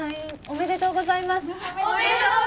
おめでとうございます！